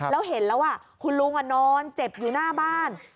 แล้วเห็นแล้วคุณลุงนอนเจ็บอยู่หน้าบ้าน